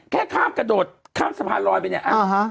แค่ข้ามกระโดดข้ามสะพานลอยไปเนี่ย